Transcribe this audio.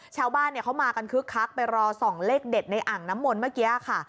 ชาวบ้านเขามากันคึกคักไปรอส่องเลขเด็ดในอ่างน้ำมนต์เมื่อกี้ค่ะ